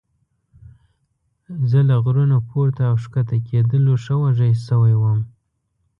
زه له غرونو پورته او ښکته کېدلو ښه وږی شوی وم.